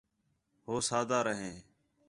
ہو سادا رھیں